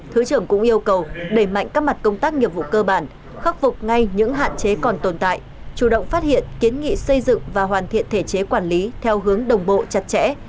thứ trưởng cũng yêu cầu đẩy mạnh các mặt công tác nghiệp vụ cơ bản khắc phục ngay những hạn chế còn tồn tại chủ động phát hiện kiến nghị xây dựng và hoàn thiện thể chế quản lý theo hướng đồng bộ chặt chẽ